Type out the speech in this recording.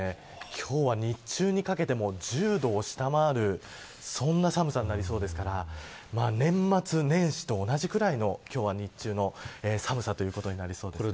今日は日中にかけても１０度を下回る、そんな寒さになりそうですから年末年始と同じくらいの今日は日中の寒さということになりそうですね。